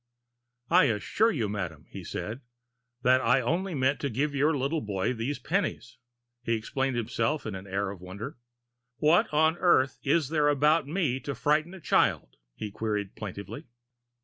"I assure you, Madam," said he, "that I only meant to give your little boy these pennies." He examined himself with an air of wonder. "What on earth is there about me to frighten a child?" he queried plaintively.